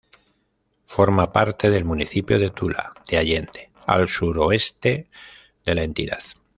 Forma parte del municipio de Tula de Allende, al suroeste de la entidad.